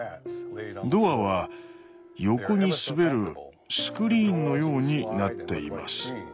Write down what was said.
ドアは横に滑るスクリーンのようになっています。